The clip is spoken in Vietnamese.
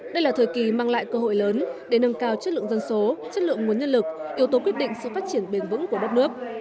đây là thời kỳ mang lại cơ hội lớn để nâng cao chất lượng dân số chất lượng nguồn nhân lực yếu tố quyết định sự phát triển bền vững của đất nước